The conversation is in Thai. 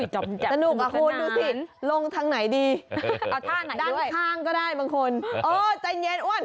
จำจับสนุกขนาดดูสิลงทางไหนดีด้านข้างก็ได้บางคนเอาท่าไหนด้วย